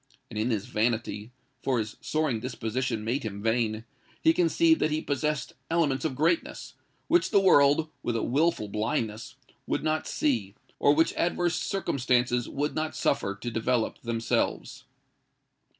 And in his vanity—for his soaring disposition made him vain—he conceived that he possessed elements of greatness, which the world, with a wilful blindness, would not see; or which adverse circumstances would not suffer to develop themselves.